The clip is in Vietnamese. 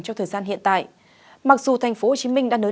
trong thời gian hiện tại mặc dù tp hcm đã nới